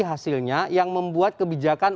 hasilnya yang membuat kebijakan